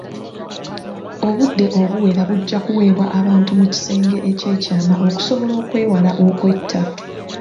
Obudde obuwera bujja kuweebwa abantu mu kisenge eky'ekyama okusobola okwewala okwetta.